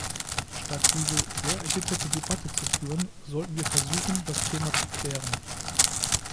Statt diese sehr erbitterte Debatte zu führen, sollten wir versuchen, das Thema zu klären.